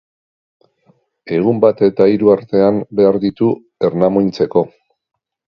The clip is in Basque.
Egun bat eta hiru artean behar ditu ernamuintzeko.